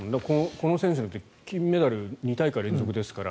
この選手なんて金メダル２大会連続ですから。